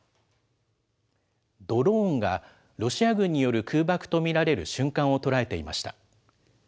ドローンが、ロシア軍による空爆と見られる瞬間を捉えていました。